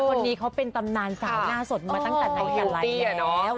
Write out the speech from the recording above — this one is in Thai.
คนนี้เขาเป็นตำนานสาวหน้าสดมาตั้งแต่ไหนอย่างไร